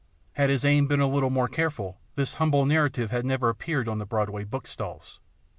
Had his aim been a little more careful this humble narrative had never appeared on the Broadway bookstalls.